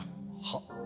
はっ？